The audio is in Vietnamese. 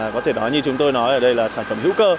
có thể nói như chúng tôi nói ở đây là sản phẩm hữu cơ